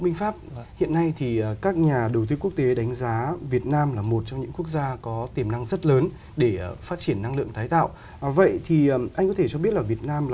nhằm thúc đẩy đầu tư trong và ngoài nước vào phát triển năng lượng tái tạo ở việt nam